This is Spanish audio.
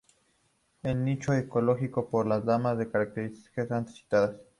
El nicho ecológico, por las demás características antes citadas.